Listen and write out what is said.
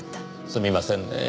すみませんねぇ